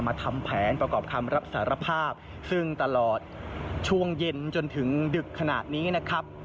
ทำแผนประกอบคำรับสารภาพซึ่งตลอดช่วงเย็นจนถึงดึกขนาดนี้นะครับ